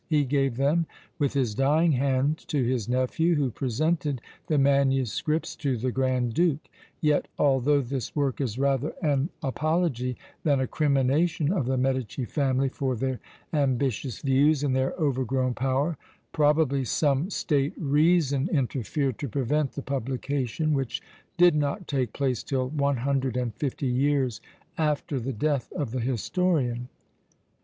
He gave them with his dying hand to his nephew, who presented the MSS. to the Grand Duke; yet, although this work is rather an apology than a crimination of the Medici family for their ambitious views and their overgrown power, probably some state reason interfered to prevent the publication, which did not take place till 150 years after the death of the historian!